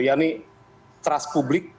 yang ini trust publik